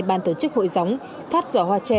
ban tổ chức hội gióng phát giỏ hoa tre